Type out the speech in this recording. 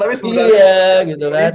iya gitu kan